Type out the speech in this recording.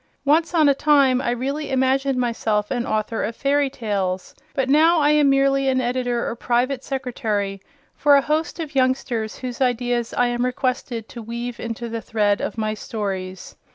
Once on a time I really imagined myself "an author of fairy tales," but now I am merely an editor or private secretary for a host of youngsters whose ideas I am requestsed to weave into the thread of my stories.